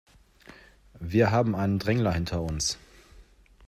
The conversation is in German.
Wir haben einen Drängler hinter uns.